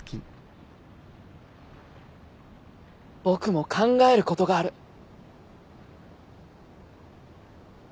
僕も考えることがある。